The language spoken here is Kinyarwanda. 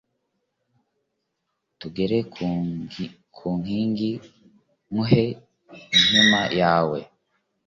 tugere ku nkingi nguhe inkima yawe,